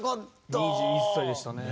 ２１歳でしたね。